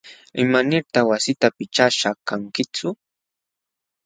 ¿Imanirtaq wasita pichashqa kankitsu?